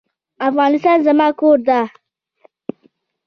افغانستان زما کور دی